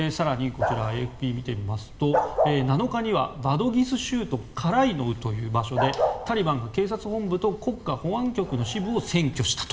更に、７日にはバドギス州都カライノウという場所でタリバンが警察本部と国家保安局の支部を占拠したと。